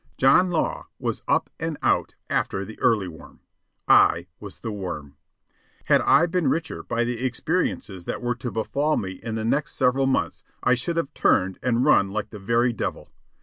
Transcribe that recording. John Law was up and out after the early worm. I was a worm. Had I been richer by the experiences that were to befall me in the next several months, I should have turned and run like the very devil.